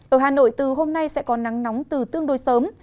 ở hà nội từ hôm nay sẽ có nắng nóng từ tương đối sớm